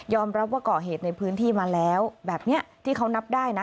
รับว่าก่อเหตุในพื้นที่มาแล้วแบบนี้ที่เขานับได้นะ